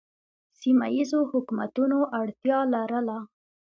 سیمه ییزو حکومتونو اړتیا لرله